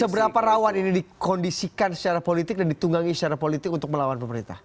seberapa rawan ini dikondisikan secara politik dan ditunggangi secara politik untuk melawan pemerintah